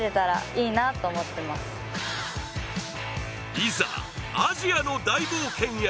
いざ、アジアの大冒険へ。